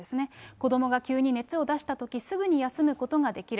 子どもが急に熱を出したとき、すぐに休むことができる。